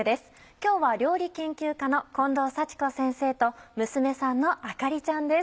今日は料理研究家の近藤幸子先生と娘さんのあかりちゃんです